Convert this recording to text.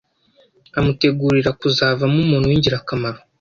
amutegurira kuzavamo umuntu w’ingirakamaro